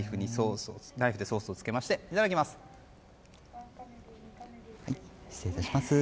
ナイフにソースをつけまして失礼いたします。